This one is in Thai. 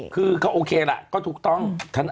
คือเขาโอเคล่ะก็ถูกต้อง